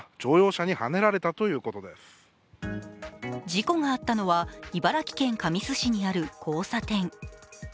事故があったのは茨城県神栖市にある交差点。